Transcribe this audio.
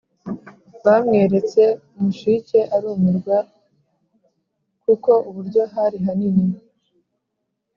Bamweretse umushike arumirwa, kuko uburyo hari hanini,